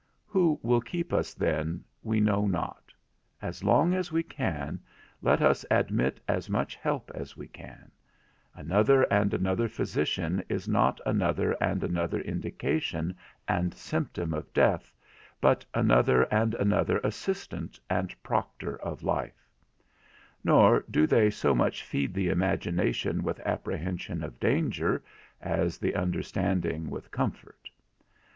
Who will keep us then we know not; as long as we can, let us admit as much help as we can; another and another physician is not another and another indication and symptom of death, but another and another assistant, and proctor of life: nor do they so much feed the imagination with apprehension of danger, as the understanding with comfort.